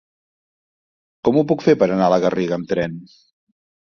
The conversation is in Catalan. Com ho puc fer per anar a la Garriga amb tren?